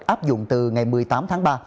áp dụng từ ngày một mươi tám tháng ba